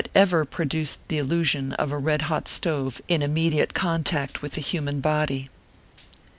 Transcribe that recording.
299 ever produced the illusion of a red hot stove in im mediate tontact with the human body.